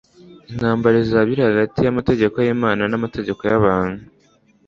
Intambara izaba iri hagati yamategeko yImana namategeko yabantu